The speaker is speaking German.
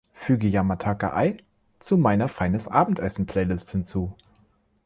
füge Yamataka Eye zu meiner Feines-Abendessen-Playlist hinzu